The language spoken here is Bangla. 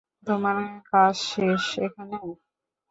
তোমার কাজ শেষ এখানে।